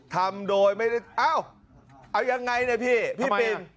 ทำโดยไม่ได้เอ้าเอายังไงนะพี่พี่ปิน